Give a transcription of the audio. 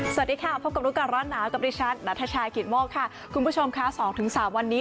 สวัสดีค่ะพบกับรู้ก่อนร้อนหนาวกับดิฉันนัทชายกิตโมกค่ะคุณผู้ชมค่ะสองถึงสามวันนี้